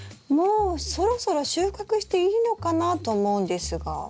もうそろそろ収穫していいのかなと思うんですが。